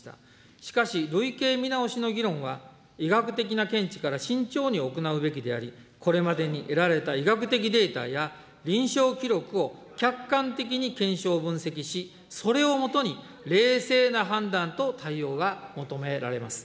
しかし、類型見直しの議論は医学的な見地から慎重に行うべきであり、これまでに得られた医学的データや臨床記録を客観的に検証、分析し、それを基に冷静な判断と対応が求められます。